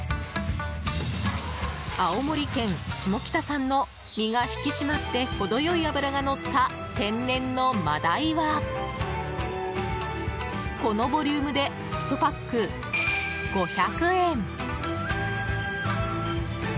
青森県下北産の身が引き締まってほど良い脂がのった天然のマダイはこのボリュームで１パック５００円。